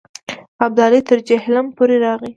ابدالي تر جیهلم پورې راغی.